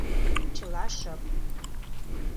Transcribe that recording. Чыла шып.